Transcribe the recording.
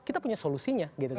kita punya solusinya